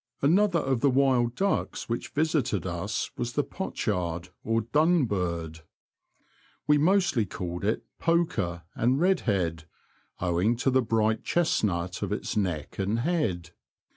Another of the wild ducks which visited us was the pochard or dunbird. We mostly called it ''poker" and "redhead," owing to the bright chestnut of its neck and head.